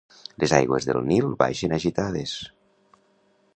Les aigües del Nil baixen agitades.